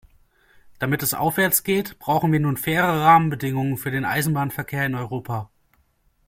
Damit es aufwärts geht, brauchen wir nun faire Rahmenbedingungen für den Eisenbahnverkehr in Europa!